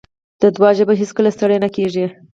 د دعا ژبه هېڅکله ستړې نه کېږي.